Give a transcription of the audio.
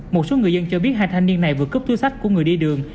một số người dân cho biết hai thanh niên này vừa cướp túi sách của người đi đường